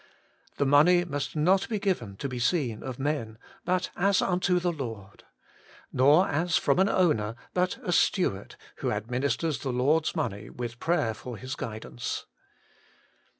The money must not be given to be seen of men, but as unto the Lord. Nor as from an owner, but a stew ard who administers the Lord's money, with prayer for His guidance.